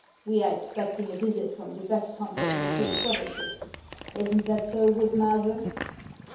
We are expecting a visit from the best hunter in the three provinces. Is n't that so, good Maase ?